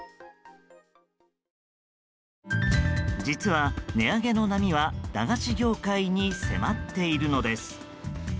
実は、値上げの波は駄菓子業界に迫っているのです。